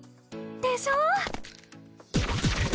でしょ！